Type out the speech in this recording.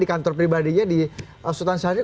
di kantor pribadinya di sultan syahrir